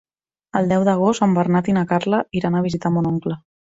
El deu d'agost en Bernat i na Carla iran a visitar mon oncle.